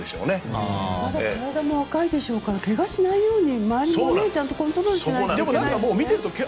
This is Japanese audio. まだ体も若いでしょうから怪我をしないように周りもちゃんとコントロールしないとね。